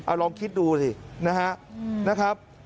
เอาลองคิดดูสินะครับ